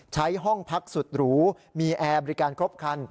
ห้องพักสุดหรูมีแอร์บริการครบคัน